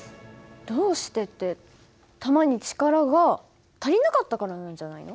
どうしてって弾に力が足りなかったからなんじゃないの？